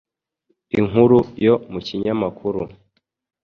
inkuru yo mu kinyamakuru.